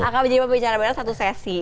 akan jadi pembicara bareng satu sesi